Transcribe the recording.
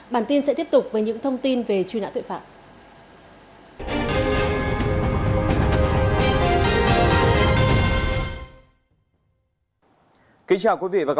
bản tin sẽ tiếp tục với những thông tin về truy nã tội phạm